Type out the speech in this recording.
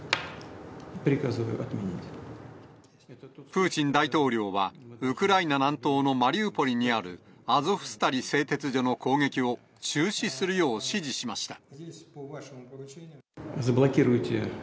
プーチン大統領は、ウクライナ南東のマリウポリにある、アゾフスタリ製鉄所の攻撃を中止するよう指示しました。